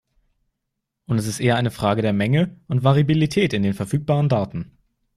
Und es ist eher eine Frage der Menge und Variabilität in den verfügbaren Daten.